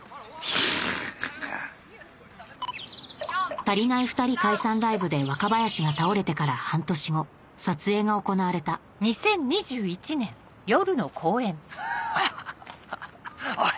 たりないふたり解散ライブで若林が倒れてから半年後撮影が行われたハハハあれ？